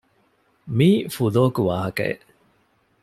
މީ ފުލޯކު ވާހަކައެއް